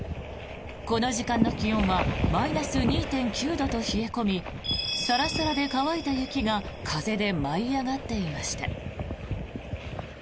この時間の気温はマイナス２．９度と冷え込みサラサラで乾いた雪が風で舞い上がっていました。